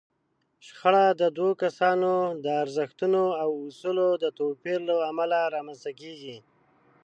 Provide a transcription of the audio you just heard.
شخړه د دوو کسانو د ارزښتونو او اصولو د توپير له امله رامنځته کېږي.